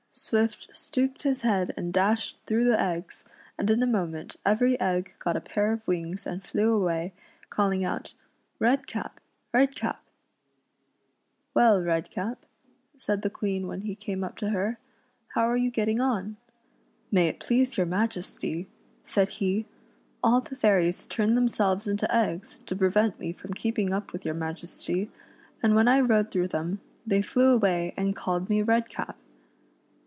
Swift stooped his head and dashed through the Q^g?, and in a moment every e.gg got a pair of wings and flew away, calling out —" Redcap ! Redcap 1 '' 98 REDCAP'S AD VENTURES IN FAIR YLAND. "Well, Redcap," said the Queen when he came up to her, "how are you getting on ?" "May it please your Majesty," said he, "all the fairies turned themselves into eggs to prevent me from keeping up with your Majest}', and when I rode through them, they flew away and called me Redcap."